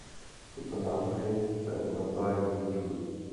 Tyto návrhy se navzájem vylučují.